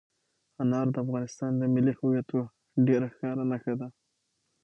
انار د افغانستان د ملي هویت یوه ډېره ښکاره نښه ده.